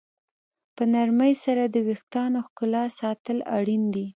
په نرمۍ سره د ویښتانو ښکلا ساتل اړین دي.